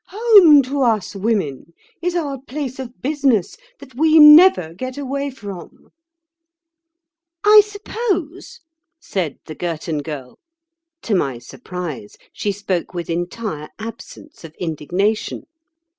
Home to us women is our place of business that we never get away from." "I suppose," said the Girton Girl—to my surprise she spoke with entire absence of indignation.